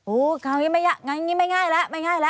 โอ้อย่างนี้ไม่ง่ายแล้วไม่ง่ายแล้ว